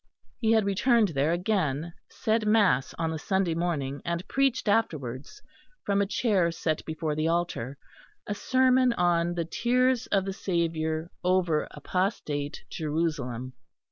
He had returned there again, said mass on the Sunday morning, and preached afterwards, from a chair set before the altar, a sermon on the tears of the Saviour over apostate Jerusalem.